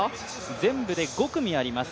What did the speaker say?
全部で５組あります。